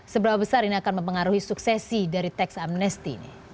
seberapa besar ini akan mempengaruhi suksesi dari teks amnesty ini